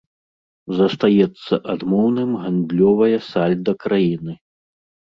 Застаецца адмоўным гандлёвае сальда краіны.